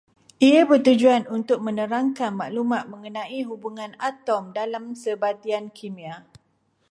Ia bertujuan untuk menerangkan maklumat mengenai hubungan atom dalam sebatian kimia